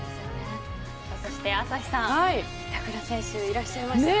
そして、朝日さん板倉選手、いらっしゃいました。